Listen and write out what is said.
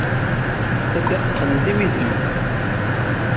Taddart texdem tiwizi.